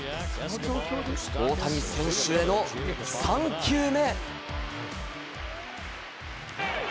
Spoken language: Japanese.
大谷選手への３球目。